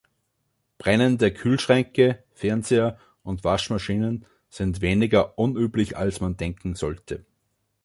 Brennende Kühlschränke, Fernseher und Waschmaschinen sind weniger unüblich als man denken sollte.